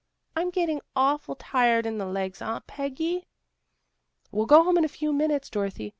I'm getting awful tired in the legs, Aunt Peggy." '' We'll go home in a very few minutes, Dorothy.